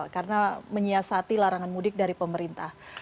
karena menyiasati larangan mudik dari pemerintah